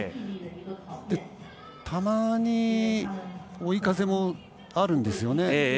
たまに、追い風もあるんですよね。